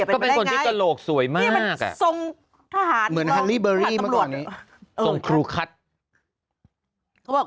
เป็นอะไรอย่างไรนี่มันทรงทหารทหารตำรวจนี่ส่งครูคัทเป็นคนที่ตะโหลกสวยมาก